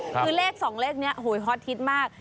คือเลข๒เลขนี้ฮอตฮิตมาก